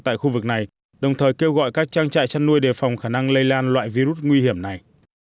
tại khu vực này đồng thời kêu gọi các trang trại chăn nuôi đề phòng khả năng lây lan loại virus nguy hiểm này